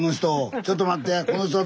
ちょっと待って。